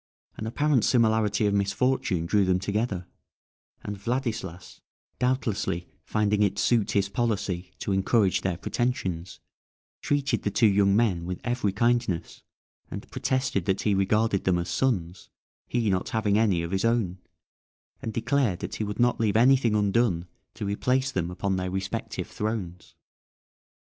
An apparent similarity of misfortune drew them together, and Vladislas, doubtlessly finding it suit his policy to encourage their pretensions, treated the two young men with every kindness, protested that he regarded them as sons, he not having any of his own, and declared that he would not leave anything undone to replace them upon their respective thrones.